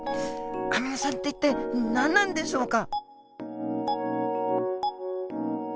アミノ酸って一体何なんでしょうか。